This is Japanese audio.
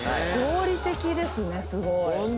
合理的ですねすごい。